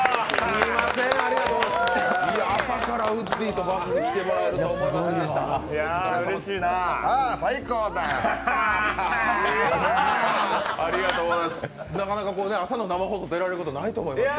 朝からウッディと、バズに来てもらえるとは思わなかった。